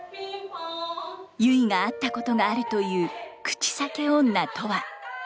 ゆいが会ったことがあるという口裂け女とは？